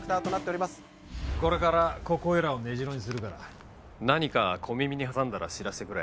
これからここいらを根城にするから何か小耳に挟んだら知らせてくれ。